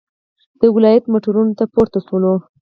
د ولایت موټرانو ته پورته شولو.